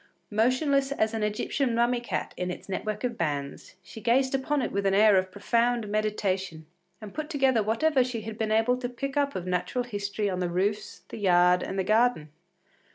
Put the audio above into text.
Motionless as an Egyptian mummy cat in its net work of bands, she gazed upon it with an air of profound meditation, and put together whatever she had been able to pick up of natural history on the roofs, the yard, and the garden.